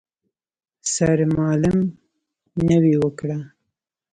سرمالم نوې وکړه.